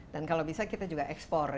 dan kalau bisa kita juga ekspor ya